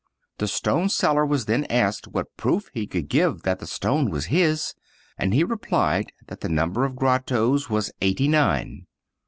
The stone seller was then asked what proof he could give that the stone was his; and he replied that the number of grottoes was eighty nine.